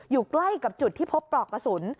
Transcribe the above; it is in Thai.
อยู่ใกล้กับจุดที่พบปลอกกระสุน